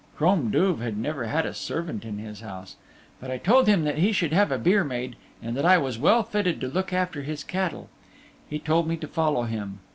Crom Duv had never had a servant in his house. But I told him that he should have a byre maid and that I was well fitted to look after his cattle. He told me to follow him.